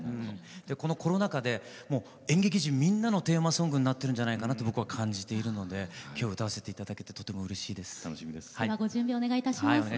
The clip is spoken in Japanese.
このコロナ禍で演劇陣、みんなのテーマソングになっているんじゃないかなと僕は感じているのできょうは歌わせていただいて本当に幸せです。